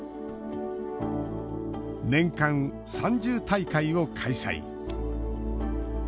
「年間３０大会を開催」。